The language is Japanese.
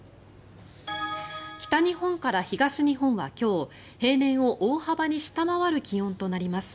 北日本から東日本は今日平年を大幅に下回る気温となります。